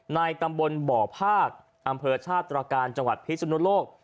ในตำบลบ่อภาคอำเภอชาติตรการจังหวัดพิศนุโลก